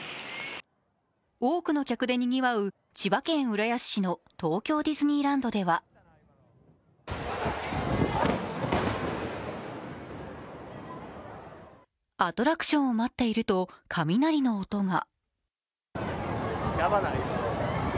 多くの客でにぎわう千葉県浦安市の東京ディズニーランドではアトラクションを待っていると雷の音が。